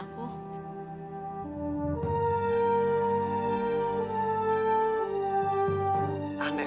kamu gak mau bantuin aku